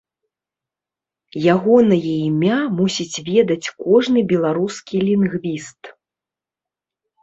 Ягонае імя мусіць ведаць кожны беларускі лінгвіст.